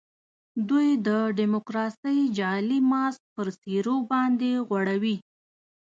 دوی د ډیموکراسۍ جعلي ماسک پر څېرو باندي غوړوي.